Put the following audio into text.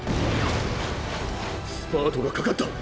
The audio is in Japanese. スパートがかかった！